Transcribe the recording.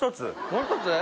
もう一つ？